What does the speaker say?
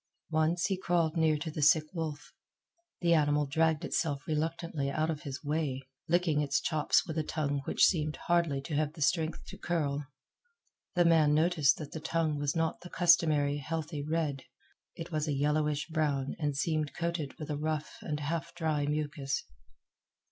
Once he crawled near to the sick wolf. The animal dragged itself reluctantly out of his way, licking its chops with a tongue which seemed hardly to have the strength to curl. The man noticed that the tongue was not the customary healthy red. It was a yellowish brown and seemed coated with a rough and half dry mucus.